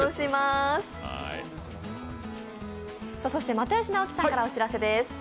又吉直樹さんからお知らせです。